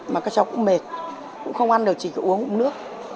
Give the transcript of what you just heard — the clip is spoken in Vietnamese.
mà các cháu cũng mệt cũng không ăn được chỉ có uống nước